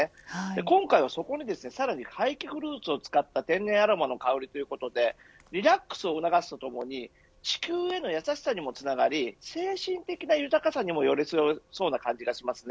今回はそこにですね、さらに廃棄フルーツを使った天然アロマの香りということでリラックスを促すとともに地球への優しさにもつながり精神的な豊かさにも寄りそうような感じがしますね。